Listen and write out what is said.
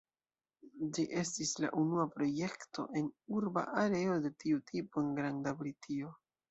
Ĝi estis la unua projekto en urba areo de tiu tipo en Granda Britio.